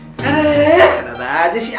ada ada ada ada ada aja sih